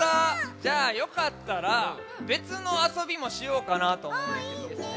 じゃあよかったらべつのあそびもしようかなとおもうねんけどもね。